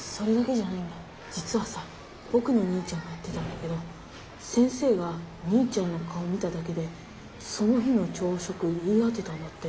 じつはさぼくのお兄ちゃんが言ってたんだけど先生がお兄ちゃんの顔を見ただけでその日の朝食を言い当てたんだって。